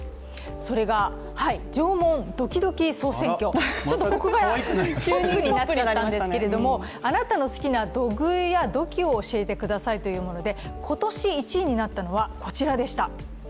それが縄文ドキドキ総選挙、ちょっとここが急にポップになっちゃったんですけれどもあなたの好きな土偶や土器を教えてくださいというもので今年１位になったのはこちらでした。